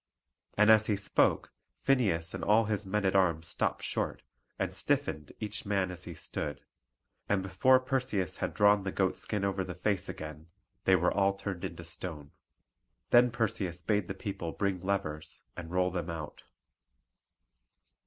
And as he spoke Phineus and all his men at arms stopped short, and stiffened each man as he stood; and before Perseus had drawn the goat skin over the face again, they were all turned into stone. Then Perseus bade the people bring levers and roll them out.